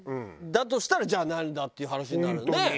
だとしたらじゃあなんだっていう話になるよね。